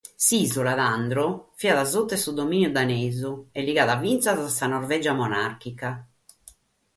S'ìsula, tando, fiat suta domìniu danesu e ligada fintzas a sa Norvègia monàrchica.